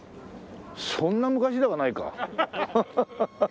そんな昔ではないか。